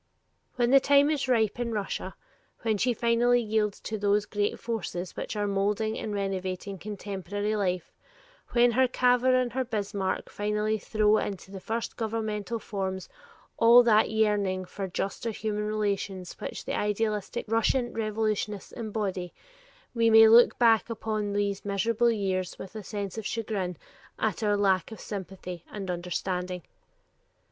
When the time is ripe in Russia, when she finally yields to those great forces which are molding and renovating contemporary life, when her Cavour and her Bismark finally throw into the first governmental forms all that yearning for juster human relations which the idealistic Russian revolutionists embody, we may look back upon these "miserable years" with a sense of chagrin at our lack of sympathy and understanding.